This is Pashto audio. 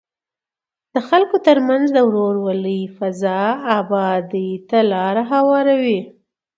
د خلکو ترمنځ د ورورولۍ فضا ابادۍ ته لاره هواروي.